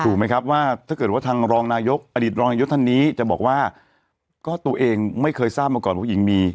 ไหมครับว่าถ้าเกิดว่าทางรองนายกอดีตรองนายกท่านนี้จะบอกว่าก็ตัวเองไม่เคยทราบมาก่อนว่าหญิงมี